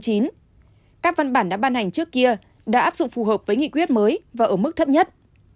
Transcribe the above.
các văn bản đã ban hành trước kia đã áp dụng phù hợp với nghị quyết mới và ở mức thấp nhất